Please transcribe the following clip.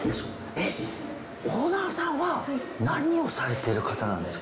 えっオーナーさんは何をされてる方なんですか？